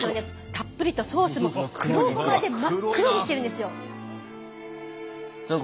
たっぷりとソースも黒ごまで真っ黒にしてるんですよ。